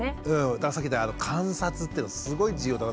だからさっき言った観察っていうのはすごい重要だなって。